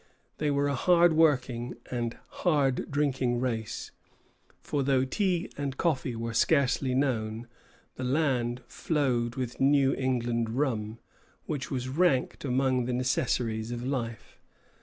They were a hard working and hard drinking race; for though tea and coffee were scarcely known, the land flowed with New England rum, which was ranked among the necessaries of life.